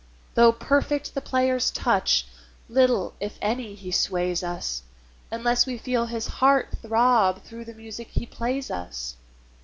Though perfect the player's touch, little, if any, he sways us, Unless we feel his heart throb through the music he plays us.